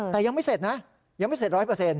แต่ยังไม่เสร็จนะยังไม่เสร็จ๑๐๐